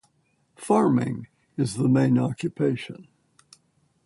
Farming is the main occupation.